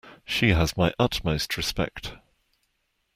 She has my utmost respect.